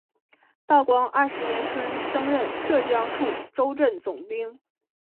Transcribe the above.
道光二十年春升任浙江处州镇总兵。